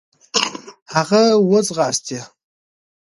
هغه و ځغاستی .